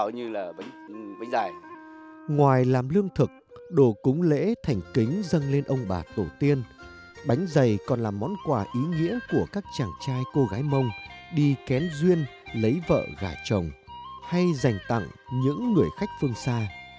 ngoài làm lương thực đồ cúng lễ thành kính dâng lên ông bà tổ tiên bánh dày còn là món quà ý nghĩa của các chàng trai cô gái mông đi kén duyên lấy vợ gà chồng hay dành tặng những người khách phương xa